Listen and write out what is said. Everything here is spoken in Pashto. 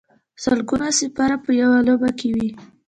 سلګونه سپاره په یوه لوبه کې وي.